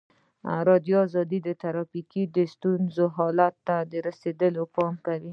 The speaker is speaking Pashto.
ازادي راډیو د ټرافیکي ستونزې حالت ته رسېدلي پام کړی.